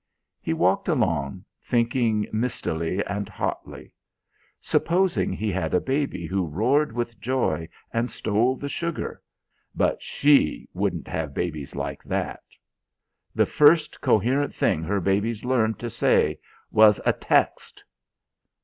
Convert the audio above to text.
He walked along, thinking mistily and hotly. Supposing he had a baby who roared with joy and stole the sugar ... but she wouldn't have babies like that. The first coherent thing her babies learned to say was a text.